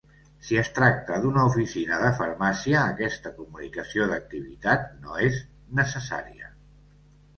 Si es tracta d'una oficina de farmàcia, aquesta comunicació d'activitat no és necessària.